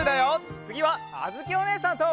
つぎはあづきおねえさんと。